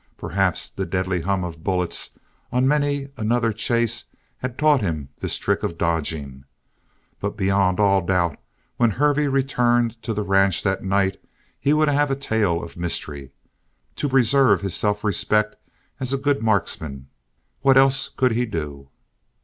Perhaps the deadly hum of bullets on many another chase had taught him this trick of dodging, but beyond all doubt when Hervey returned to the ranch that night he would have a tale of mystery. To preserve his self respect as a good marksman, what else could he do?